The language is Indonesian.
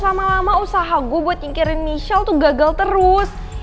lama lama usaha gue buat nyingkirin michelle tuh gagal terus